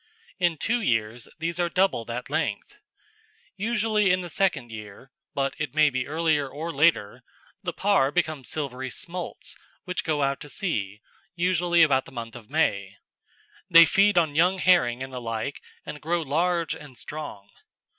In two years these are double that length. Usually in the second year, but it may be earlier or later, the parr become silvery smolts, which go out to sea, usually about the month of May. They feed on young herring and the like and grow large and strong.